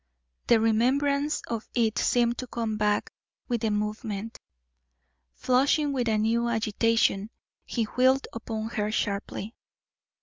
The remembrance of it seemed to come back with the movement. Flushing with a new agitation, he wheeled upon her sharply.